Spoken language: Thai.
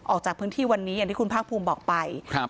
ออกจากพื้นที่วันนี้อย่างที่คุณภาคภูมิบอกไปครับ